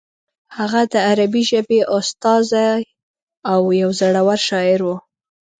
هغه د عربي ژبې استازی او یو زوړور شاعر و.